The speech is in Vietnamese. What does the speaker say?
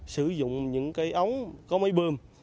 sử dụng những cái ống có máy bơm